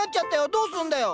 どうすんだよ！